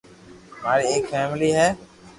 ماري ايڪ فآملي ھي